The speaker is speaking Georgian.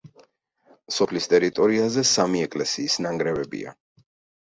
სოფლის ტერიტორიაზე სამი ეკლესიის ნანგრევებია.